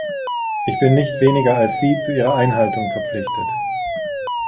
Ich bin nicht weniger als Sie zu ihrer Einhaltung verpflichtet.